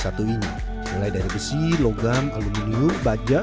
satu ini mulai dari besi logam aluminium baja